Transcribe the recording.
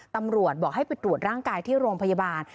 ตำรวจบอกให้ไปตรวจร่างกายที่โรงพยาบาล